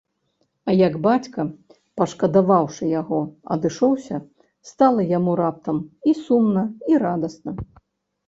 А як бацька, пашкадаваўшы яго, адышоўся, стала яму раптам і сумна, і радасна.